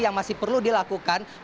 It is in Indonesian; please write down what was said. yang masih perlu dilakukan